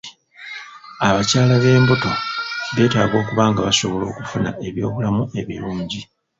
Abakyala b'embuto beetaaga okuba nga basobola okufuna eby'obulamu ebirungi.